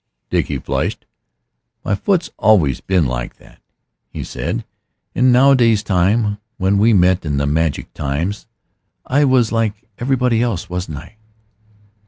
Dickie flushed. "My foot's always been like that," he said, "in Nowadays time. When we met in the magic times I was like everybody else, wasn't I?"